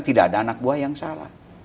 tidak ada anak buah yang salah